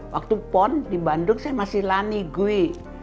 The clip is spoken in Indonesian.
waktu pon di bandung saya masih lani gwe